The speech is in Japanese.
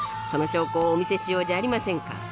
その証拠をお見せしようじゃありませんか。